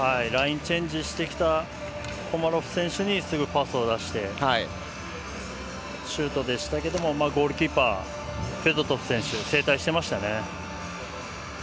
ラインチェンジしてきたコマロフ選手にすぐパスを出してシュートでしたけどもゴールキーパーのフェドトフ選手が正対していました。